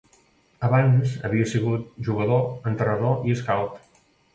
Abans havia sigut jugador, entrenador i scout.